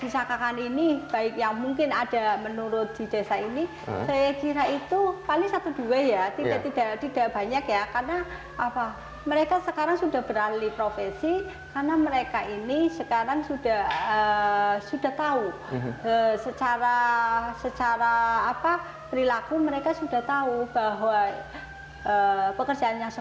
saya melihat bahwa yang disakakan ini baik yang mungkin ada menurut di desa ini saya kira itu paling satu dua ya